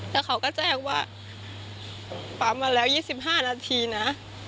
แล้วเขาก็แจ้งว่าปั๊มมาแล้ว๒๕นาทีนะ